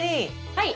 はい。